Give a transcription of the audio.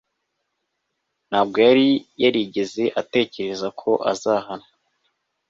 Ntabwo yari yarigeze atekereza ko azahanwa